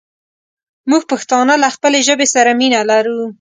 مونږ پښتانه له خپلې ژبې سره مينه لرو